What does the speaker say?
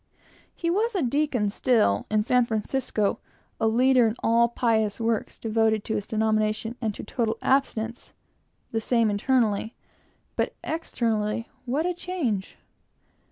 He was a deacon still, in San Francisco, a leader in all pious works, devoted to his denomination and to total abstinence, the same internally, but externally what a change!